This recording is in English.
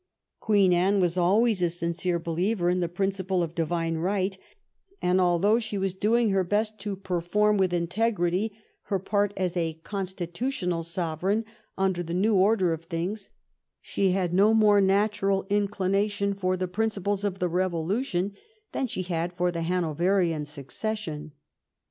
Queen Anne was always a sincere believer in the principle of divine right, and although she was doing her best to perform with integrity her part as a constitutional sovereign under the new order of things, she had no more natural inclination for the principles of the revo lution than she had for the Hanoverian succession.